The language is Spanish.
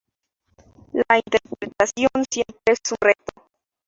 La interpretación siempre es un reto.